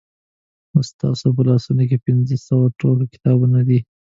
اوس ستاسو په لاسو کې پنځه سوه ټوکه کتابونه دي.